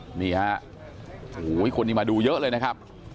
ไหนหย้าโหของนี้มาดูเยอะเลยนะครับ